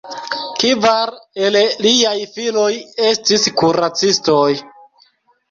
Kvar el liaj filoj estis kuracistoj.